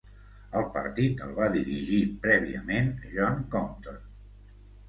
El partit el va dirigir, prèviament, John Compton.